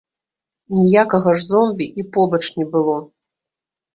Ніякага ж зомбі і побач не было.